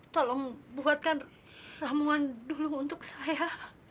tolong buatkan ramuan dulu untuk saya